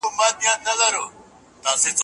ولسمشر بهرنی پور نه اخلي.